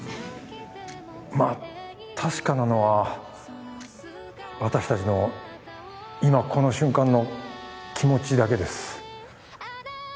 まあ確かなのは私達の今この瞬間の気持ちだけです